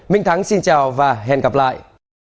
mình thắng xin chào và hẹn gặp lại